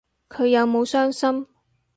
佢有冇傷心